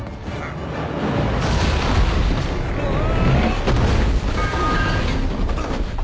うわ！